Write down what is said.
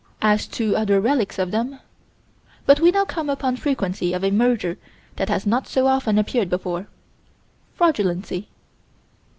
As to other relics of them but we now come upon frequency of a merger that has not so often appeared before: Fraudulency.